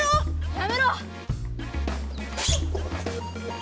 やめろ！